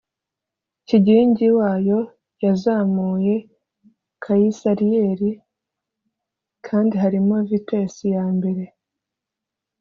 Kigingi wayo yazamuye caisse-arriere kandi harimo vitesi ya mbere